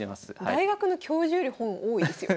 大学の教授より本多いですよ